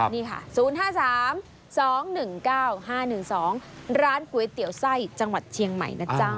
นี่ค่ะ๐๕๓๒๑๙๕๑๒ร้านก๋วยเตี๋ยวไส้จังหวัดเชียงใหม่นะจ๊ะ